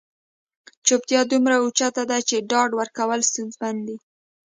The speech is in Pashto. چوپتیا دومره اوچته ده چې ډاډ ورکول ستونزمن دي.